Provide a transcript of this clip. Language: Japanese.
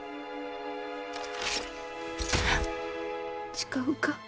誓うか？